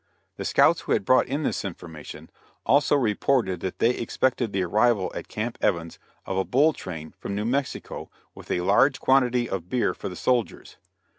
The scouts who had brought in this information also reported that they expected the arrival at Camp Evans of a bull train from New Mexico with a large quantity of beer for the soldiers.